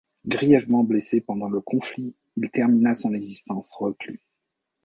Grièvement blessé pendant le conflit, il termina son existence reclus.